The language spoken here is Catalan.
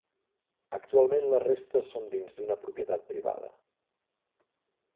Actualment les restes són dins d'una propietat privada.